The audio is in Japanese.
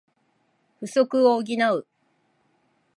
不足を補う